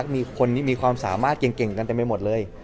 มีคนมีความสามารถเก่งกันเต็มไปหมดเลย